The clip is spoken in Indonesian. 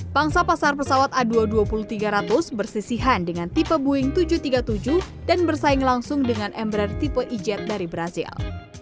pangsa pasar pesawat a dua ratus dua puluh tiga ratus bersisihan dengan tipe boeing tujuh ratus tiga puluh tujuh dan bersaing langsung dengan embrar tipe ejet dari brazil